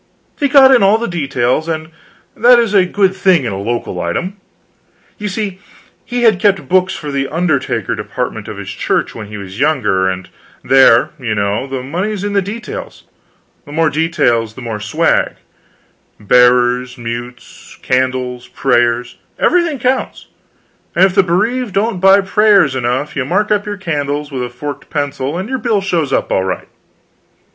He got in all the details, and that is a good thing in a local item: you see, he had kept books for the undertaker department of his church when he was younger, and there, you know, the money's in the details; the more details, the more swag: bearers, mutes, candles, prayers everything counts; and if the bereaved don't buy prayers enough you mark up your candles with a forked pencil, and your bill shows up all right.